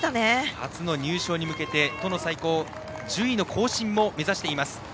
初の入賞に向けて最高順位の更新も目指しています。